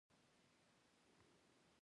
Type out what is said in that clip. مقرره د څه لپاره جوړیږي؟